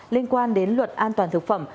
liên quan đến luật an toàn thực phẩm